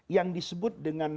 yang disebut dengan